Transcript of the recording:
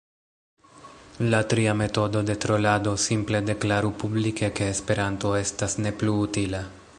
La tria metodo de trolado, simple deklaru publike ke esperanto estas ne plu utila.